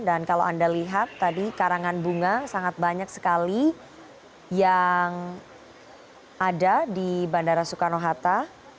dan kalau anda lihat tadi karangan bunga sangat banyak sekali yang ada di bandara soekarno hatta